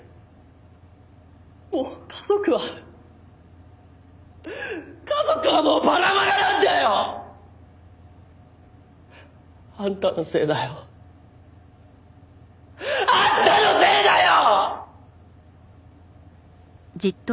もう家族は家族はもうバラバラなんだよ！あんたのせいだよ。あんたのせいだよ！